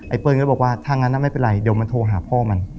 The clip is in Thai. เปิ้ลก็บอกว่าถ้างั้นไม่เป็นไรเดี๋ยวมันโทรหาพ่อมัน